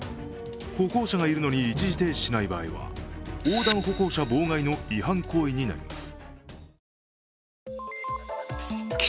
歩行者がいるのに一時停止しない場合は横断歩行者妨害の違反行為になります。